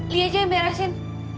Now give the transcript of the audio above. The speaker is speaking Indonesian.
lia aja yang meresin